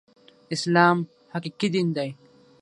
اسلام حقيقي دين دی